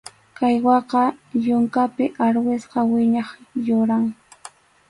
Caiguaqa yunkapi arwispa wiñaq yuram.